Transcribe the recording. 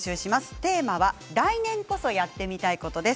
テーマは来年こそやってみたいことです。